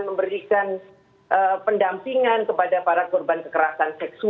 memberikan pendampingan kepada para korban kekerasan seksual